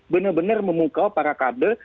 benar benar memukau para kader